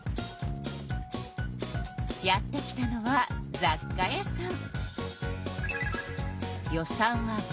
やって来たのはざっ貨屋さん。